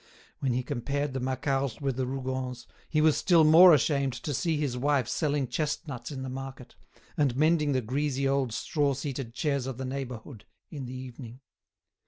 When he compared the Macquarts with the Rougons, he was still more ashamed to see his wife selling chestnuts in the market, and mending the greasy old straw seated chairs of the neighbourhood in the evening.